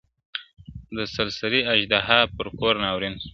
د سل سري اژدها پر كور ناورين سو-